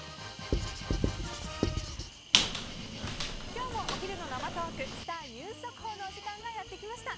今日もお昼の生トークスター☆ニュース速報のお時間がやってきました。